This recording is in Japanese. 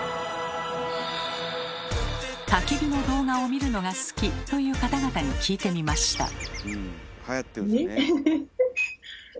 たき火の動画を見るのが好きという方々に聞いてみました。